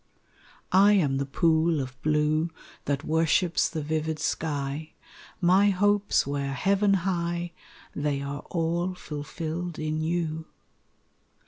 I am the pool of blue That worships the vivid sky; My hopes were heaven high, They are all fulfilled in you.